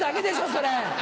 それ。